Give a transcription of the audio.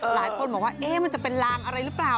หลายคนบอกว่ามันจะเป็นลางอะไรหรือเปล่า